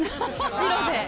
白で。